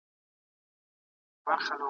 د صفویانو سقوط د افغانانو د مېړانې پایله وه.